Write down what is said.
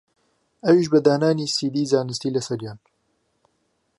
ئەویش بە دانانی سیدی زانستی لەسەریان